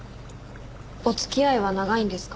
お付き合いは長いんですか？